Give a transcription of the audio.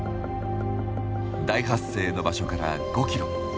大発生の場所から５キロ。